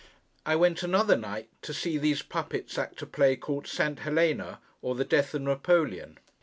I went, another night, to see these Puppets act a play called 'St. Helena, or the Death of Napoleon.